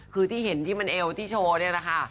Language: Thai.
คือที่เห็นที่มันเอวที่โชว์เนี่ยนะคะ